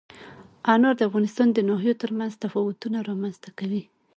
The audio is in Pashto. انار د افغانستان د ناحیو ترمنځ تفاوتونه رامنځ ته کوي.